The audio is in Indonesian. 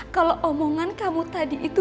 kalau omongan kamu tadi itu